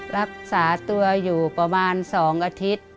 รักษาตัวอยู่ประมาณ๒อาทิตย์